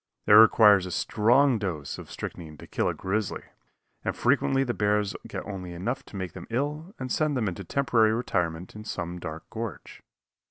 It requires a strong dose of strychnine to kill a grizzly, and frequently the bears get only enough to make them ill and send them into temporary retirement in some dark gorge.